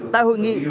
tại hội nghị